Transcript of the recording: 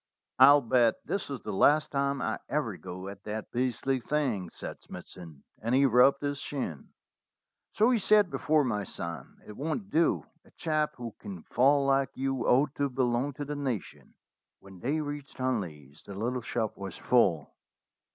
"I'll bet this is the last time I ever go at that beastly thing," said Smithson, and he rubbed his shin. "So you said before, my son. It won't do. A chap who can fall like you ought to belong to the nation." When they reached Hunley's the little shop was full.